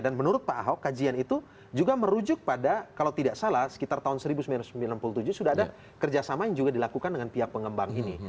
dan menurut pak ahok kajian itu juga merujuk pada kalau tidak salah sekitar tahun seribu sembilan ratus sembilan puluh tujuh sudah ada kerjasama yang juga dilakukan dengan pihak pengembang ini